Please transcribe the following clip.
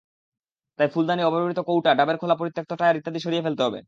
তাই ফুলদানি, অব্যবহৃত কৌটা, ডাবের খোলা, পরিত্যক্ত টায়ার ইত্যাদি সরিয়ে ফেলতে হবে।